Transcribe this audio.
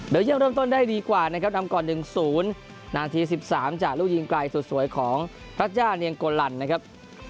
เดี๋ยวยังเริ่มต้นได้ดีกว่านะครับนำก่อน๑๐นาที๑๓จากลูกยิงไกลสุดสวยของพระเจ้าเนียงโกลันนะครับ